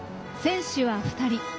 選手は２人。